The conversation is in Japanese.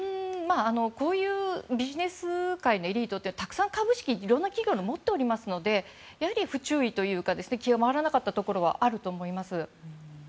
こういうビジネス界のエリートってたくさんいろんな企業の株式持っておりますのでやはり不注意というか気が回らなかったところはあると思います。